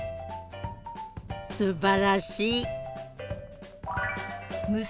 すばらしい！